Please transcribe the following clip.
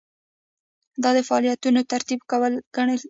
دا د فعالیتونو ترتیب کول دي.